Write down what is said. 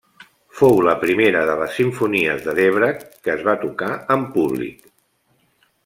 Fou la primera de les simfonies de Dvořák que es va tocar en públic.